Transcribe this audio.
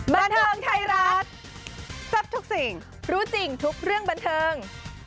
บันเทิงไทยรัฐแซ่บทุกสิ่งรู้จริงทุกเรื่องบันเทิง